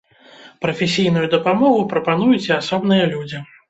Прафесійную дапамогу прапануюць і асобныя людзі.